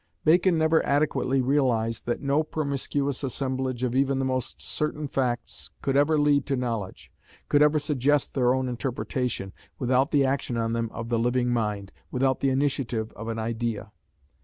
Bacon never adequately realised that no promiscuous assemblage of even the most certain facts could ever lead to knowledge, could ever suggest their own interpretation, without the action on them of the living mind, without the initiative of an idea.